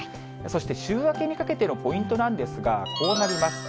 そして、週明けにかけてのポイントなんですが、こうなります。